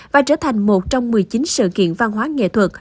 và trở thành một trong một mươi chín sự kiện văn hóa nghệ thuật